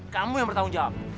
kamu yang bertanggung jawab